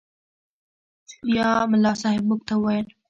بيا ملا صاحب موږ ته وويل.